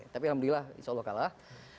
tapi alhamdulillah insya allah kalah